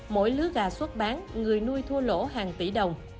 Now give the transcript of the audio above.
mỗi lứa gà xuất bán người nuôi thua lỗ hàng tỷ đồng